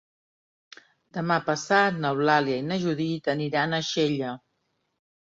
Demà passat n'Eulàlia i na Judit aniran a Xella.